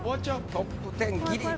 トップ１０ギリ。